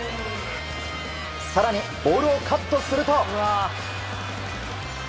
更にボールをカットすると。